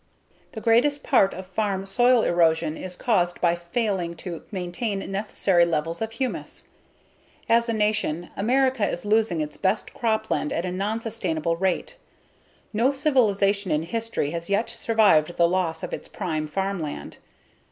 The greatest part of farm soil erosion is caused by failing to maintain necessary levels of humus. As a nation, America is losing its best cropland at a nonsustainable rate. No civilization in history has yet survived the loss of its prime farmland.